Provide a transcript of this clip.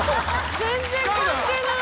全然関係ない！